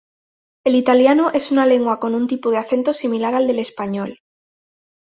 El italiano es una lengua con un tipo de acento similar al del español.